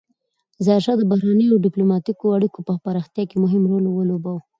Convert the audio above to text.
ظاهرشاه د بهرنیو ډیپلوماتیکو اړیکو په پراختیا کې مهم رول ولوباوه.